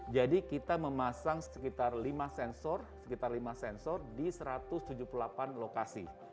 jadi kita memasang sekitar lima sensor di satu ratus tujuh puluh delapan lokasi